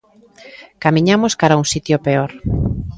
Camiñamos cara a un sitio peor.